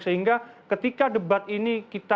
sehingga ketika debat ini kita